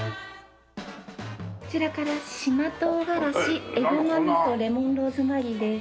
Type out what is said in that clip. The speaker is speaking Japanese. こちらから島とうがらしえごま味噌レモンローズマリーです。